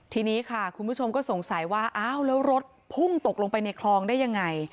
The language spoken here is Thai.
ทีนี้ค่ะคุณผู้ชมก็สงสัยว่าอ้าวแล้วรถพุ่งตกลงไปในคลองได้ยังไง